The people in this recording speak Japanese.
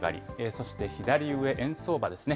そして左上、円相場ですね。